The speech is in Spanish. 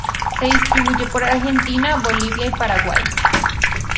Se distribuye por Argentina, Bolivia y Paraguay.